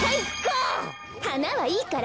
はなはいいから。